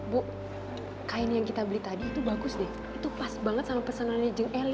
bu kain yang kita beli tadi itu bagus deh itu pas banget sama pesanannya jeng eli